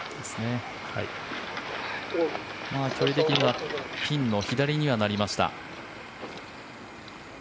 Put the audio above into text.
距離的にはピンの左にはなりました。